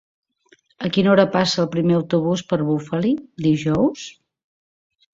A quina hora passa el primer autobús per Bufali dijous?